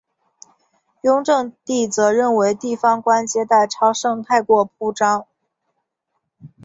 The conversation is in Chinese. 雍正帝则认为地方官接待超盛太过铺张。